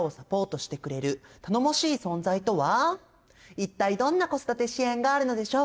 一体どんな子育て支援があるのでしょうか？